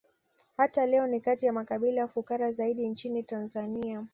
Hata leo ni kati ya makabila fukara zaidi nchini Tanzania